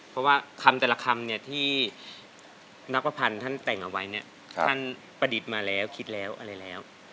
เพราะว่าคำแต่ละคำที่นักพรรณท่านแต่งเอาไว้ท่านประดิษฐ์มาแล้วคิดแล้วอะไรแล้ว